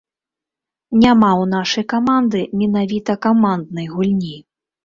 Няма ў нашай каманды менавіта каманднай гульні.